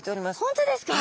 本当ですか？